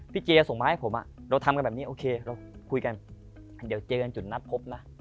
เจียส่งมาให้ผมเราทำกันแบบนี้โอเคเราคุยกันเดี๋ยวเจอกันจุดนัดพบนะ